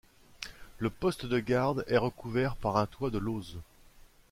Le poste de garde est recouvert par un toit de lauzes.